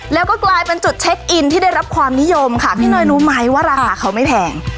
แล้วก็กลายเป็นจุดเช็คอินที่ได้รับความนิยมค่ะพี่เนยรู้ไหมว่าราคาเขาไม่แพง